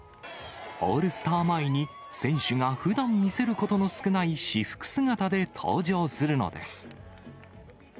オールスター前に選手がふだん見せることの少ない私服姿で登場するのです。